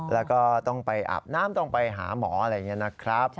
แล้วก็ต้องไปอาบน้ำต้องไปหาหมออะไรอย่างนี้นะครับ